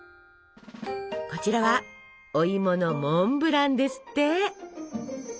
こちらはおいものモンブランですって！